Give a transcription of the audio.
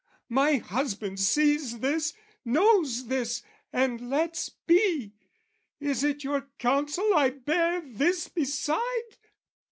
"My husband sees this, knows this, and lets be. "Is it your counsel I bear this beside?"